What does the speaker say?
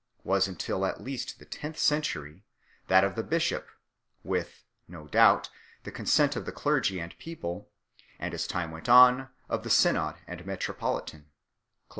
was, until at least the tenth century, that of the bishop, with (no doubt) the consent of his clergy and people, and, as time went on, of the synod and metropolitan 6 ."